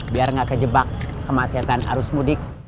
biar nggak kejebak kemacetan arus mudik